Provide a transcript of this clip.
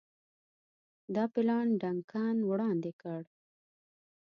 دا پلان ډنکن وړاندي کړ.